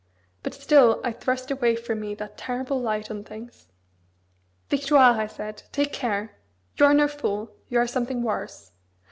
But still I thrust away from me that terrible light on things. "Victoire!" I said, "take care! You are no fool: you are something worse.